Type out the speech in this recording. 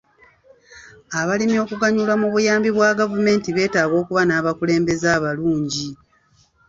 Abalimi okuganyulwa mu buyambi bwa gavumenti, beetaaga okuba n'abakulembeze abalungi.